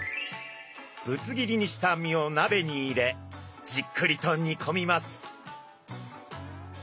ぶつ切りにした身をなべに入れじっくりと煮込みます。